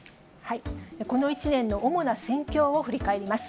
この１年の主な戦況を振り返ります。